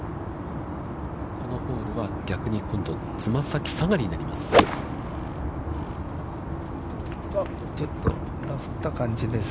このホールは逆に今度、つま先下がりになります。